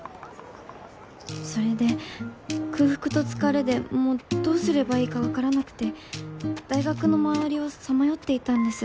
それで空腹と疲れでもうどうすればいいか分からなくて大学の周りをさまよっていたんです。